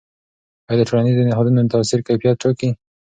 آیا د ټولنیزو نهادونو تاثیر کیفیت ټاکي؟